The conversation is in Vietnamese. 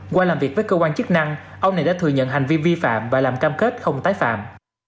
qua làm việc với cơ quan chức năng ông này đã thừa nhận hành vi vi phạm và làm cam kết không tái phạm